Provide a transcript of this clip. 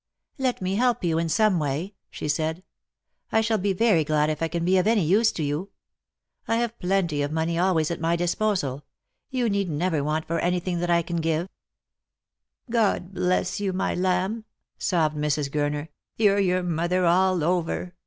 " Let me help you in some way," she said. " I shall be very glad if I can be of any use to you. I have plenty of money always at my disposal. You need never want for anything that I can give." Lost for Love. 365 " God bless you, my lamb !" sobbed Mrs. Gurner ;" you're your mother all over.